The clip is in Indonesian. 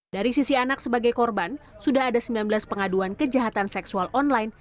dari sisi anak sebagai korban sudah ada sembilan belas pengaduan kejahatan seksual online